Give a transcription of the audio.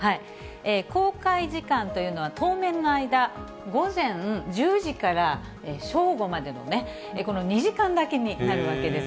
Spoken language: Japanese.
公開時間というのは当面の間、午前１０時から正午までのこの２時間だけになるわけです。